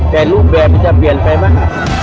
แต่รูปแบบมันจะเปลี่ยนไปมาก